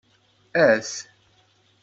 Af.